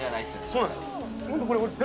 そうなんです。